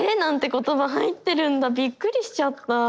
言葉入ってるんだビックリしちゃった。